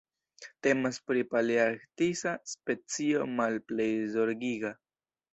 Temas pri palearktisa specio Malplej Zorgiga.